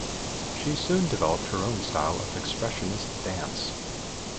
She soon developed her own style of expressionist dance.